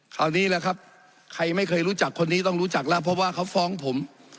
คราวนี้แหละครับใครไม่เคยรู้จักคนนี้ต้องรู้จักแล้วเพราะว่าเขาฟ้องผม